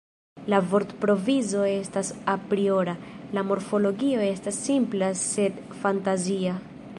La vortprovizo estas apriora, la morfologio estas simpla sed fantazia.